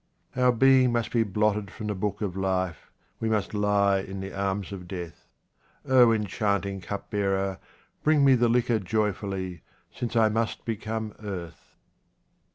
Our being must be blotted from the book of life, we must lie in the arms of death. O enchanting cupbearer, bring me the liquor joy fully, since I must become earth.